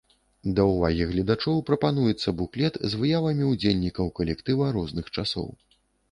Да ўвагі гледачоў прапануецца буклет з выявамі ўдзельнікаў калектыва розных часоў.